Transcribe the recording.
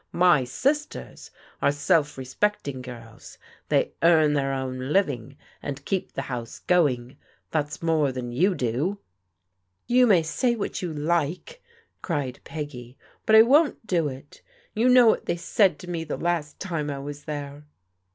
My sisters are self respecting girls. They earn their own living and keep the house going. That's more than you do." " You may say what you like," cried Peggy, " but I won't do it. You know what they said to me the last time I was there."